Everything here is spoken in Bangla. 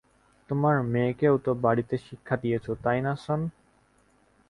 তোমার মেয়েকেও তো বাড়িতে শিক্ষা দিয়েছো, তাই না, শন?